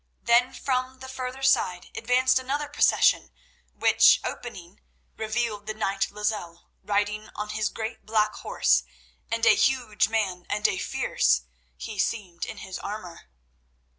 Then from the further side advanced another procession, which, opening, revealed the knight Lozelle riding on his great black horse, and a huge man and a fierce he seemed in his armour.